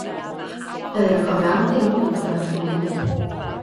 Doedden nhw'n cofio am ddim ond amdanyn nhw eu hunain.